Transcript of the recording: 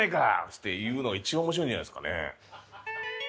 つって言うのが一番面白いんじゃないですかね。